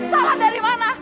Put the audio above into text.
salah dari mana